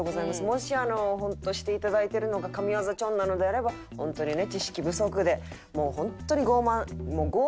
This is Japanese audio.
もしあの本当していただいてるのが神業チョンなのであれば本当にね知識不足で本当に傲慢。